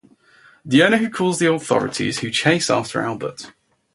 The owner calls the authorities who chase after Albert.